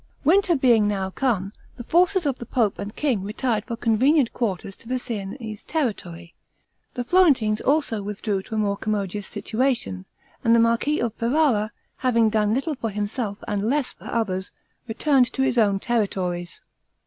Winter being now come, the forces of the pope and king retired for convenient quarters to the Siennese territory. The Florentines also withdrew to a more commodious situation, and the marquis of Ferrara, having done little for himself and less for others, returned to his own territories.